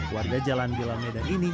warga jalan di dalam medan ini